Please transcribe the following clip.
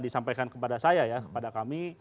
disampaikan kepada saya ya kepada kami